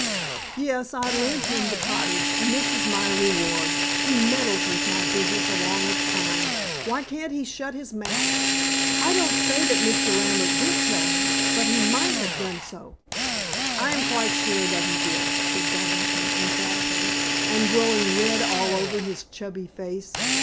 "Yes, I lent him the cottage, and this is my reward. He meddles with my business along with Pine. Why can't he shut his mouth?" "I don't say that Mr. Lambert did tell him, but he might have done so." "I am quite sure that he did," said Garvington emphatically, and growing red all over his chubby face.